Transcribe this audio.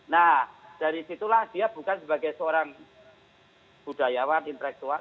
nah dari situlah dia bukan sebagai seorang budayawan intelektual